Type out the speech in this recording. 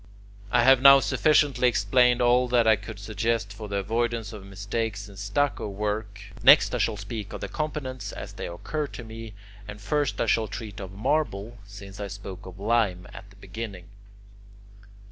I have now sufficiently explained all that I could suggest for the avoidance of mistakes in stucco work. Next, I shall speak of the components as they occur to me, and first I shall treat of marble, since I spoke of lime at the beginning.